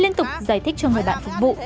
liên tục giải thích cho người bạn phục vụ